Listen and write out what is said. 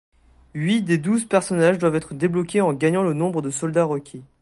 Huit des douze personnages doivent être débloqués en gagnant le nombre de soldats requis.